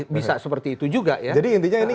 bisa seperti itu juga ya jadi intinya ini